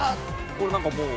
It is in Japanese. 「これなんかもう」